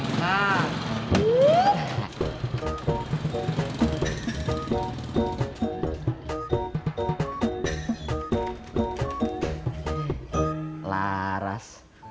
belum dipanggil udah keluar aja